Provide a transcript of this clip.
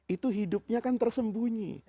itu hidupnya kan tersembunyi